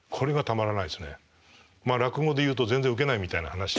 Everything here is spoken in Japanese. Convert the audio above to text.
まあ落語で言うと全然受けないみたいな話ですけど。